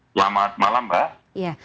selamat malam mbak